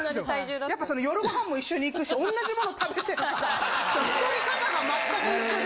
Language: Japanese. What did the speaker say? やっぱ夜ご飯も一緒に行くし同じもの食べてるから太り方がまったく一緒で。